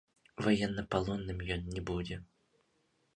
Ваеннапалонным ён не будзе.